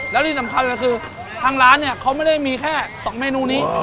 แล้วที่สำคัญก็คือทางร้านเนี่ยเขาไม่ได้มีแค่๒เมนูนี้